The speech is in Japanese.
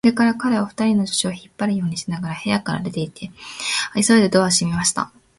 それから彼は、二人の助手を引っ張るようにしながら部屋から出て、急いでドアを閉めた。